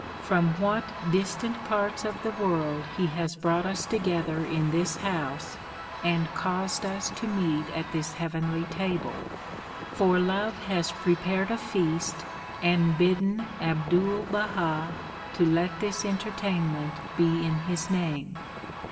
From what distant parts of the world he has brought us together in this house and caused us to meet at this heavenly table; for love has prepared a feast and bidden Abdul Baha to let this entertainment be in his name.